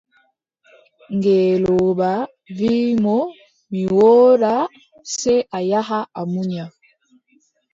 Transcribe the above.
Ngeelooba wii mo: mi woodaa, sey a yaha a munya.